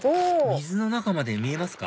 水の中まで見えますか？